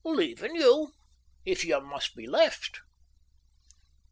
"Leavin' you. If you must be left."